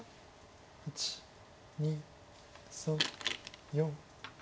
１２３４。